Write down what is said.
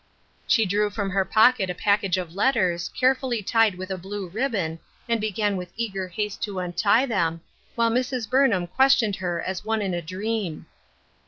She drew from her pocket a package of letters, carefully tied with a blue ribbon, and began with eager haste to untie them, while Mrs. Burnham questioned her as one in a dream.